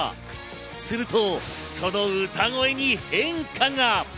するとその歌声に変化が！